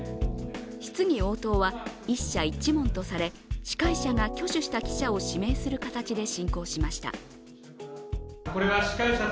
質疑応答は１社１問とされ司会者が挙手した記者を指名する形で進行しました。